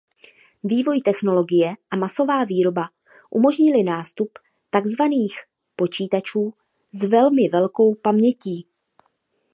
Vývoj technologie a masová výroba umožnily nástup takzvaných "počítačů s velmi velkou pamětí".